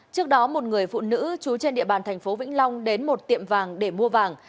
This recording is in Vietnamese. trước đó một người phụ nữ trú trên địa bàn thành phố vĩnh long đến một tiệm vàng để mua vàng